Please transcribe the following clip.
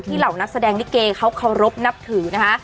ที่เหล่านักแสดงนิเกเขารบนับถือ